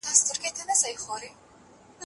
د وینې جوړولو پروسه څو اونۍ دوام کوي.